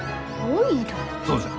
そうじゃ。